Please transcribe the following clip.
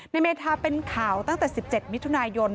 เมธาเป็นข่าวตั้งแต่๑๗มิถุนายน